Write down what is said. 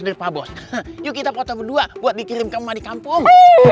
sama bos yuk kita foto berdua buat dikirim ke rumah di kampung